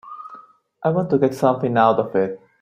I want to get something out of it.